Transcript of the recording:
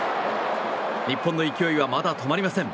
日本の勢いはまだ止まりません。